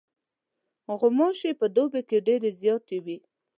غوماشې په دوبي کې ډېرې زیاتې وي.